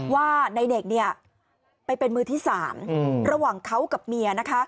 ว่าในเนกเนี่ยไปเป็นมือที่สามระหว่างเขากับเมียนะคะ